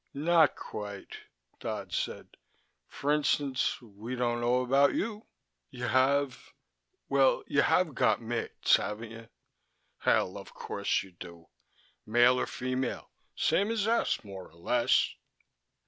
"Not quite," Dodd said. "For instance, we don't know about you. You have well, you have got mates, haven't you? Hell, of course you do. Male or female. Same as us. More or less."